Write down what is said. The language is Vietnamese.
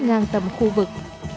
ngang tầm khu vực